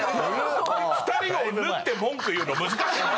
２人のを縫って文句言うの難しいな。